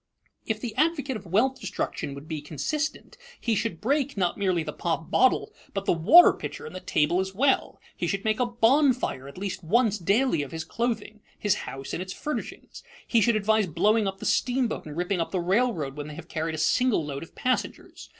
If the advocate of wealth destruction would be consistent, he should break, not merely the pop bottle, but the water pitcher and the table as well; he should make a bonfire at least once daily of his clothing, his house, and its furnishings; he should advise blowing up the steamboat and ripping up the railroad when they have carried a single load of passengers.